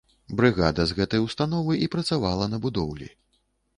Брыгада з гэтай установы і працавала на будоўлі.